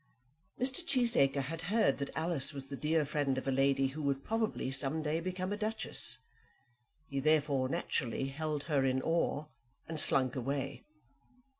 Mr. Cheesacre had heard that Alice was the dear friend of a lady who would probably some day become a duchess. He therefore naturally held her in awe, and slunk away.